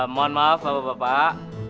mohon maaf bapak bapak